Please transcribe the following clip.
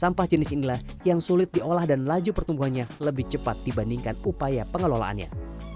sampah jenis inilah yang sulit diolah dan laju pertumbuhannya lebih cepat dibandingkan upaya pengelolaannya